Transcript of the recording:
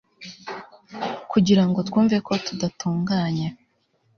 kugirango twumve ko tudatunganye